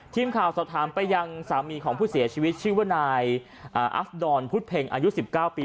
ทีมข่าวสอบถามไปยังสามีของผู้เสียชีวิตชื่อว่านายอัฟดอนพุทธเพ็งอายุ๑๙ปี